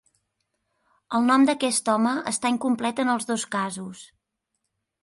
El nom d'aquest home està incomplet en els dos casos.